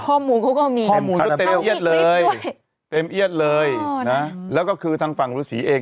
ข้อมูลเขาก็มีเขามีคลิปด้วยเต็มเอี๊ยดเลยนะแล้วก็คือทางฝั่งลูกศรีเอง